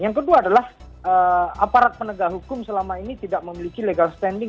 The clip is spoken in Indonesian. yang kedua adalah aparat penegak hukum selama ini tidak memiliki legal standing